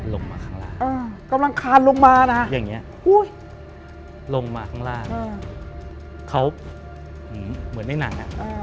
ลงมาข้างล่างลงมาข้างล่างเขาเหมือนในหนัง